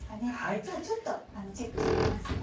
じゃあちょっとチェックしてみますね。